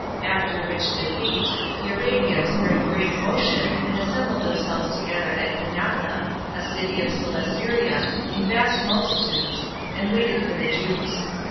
After which defeat, the Arabians were in great motion, and assembled themselves together at Kanatha, a city of Celesyria, in vast multitudes, and waited for the Jews.